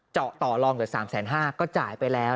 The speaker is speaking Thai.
เจาะต่อรองเกือบ๓๕๐๐บาทก็จ่ายไปแล้ว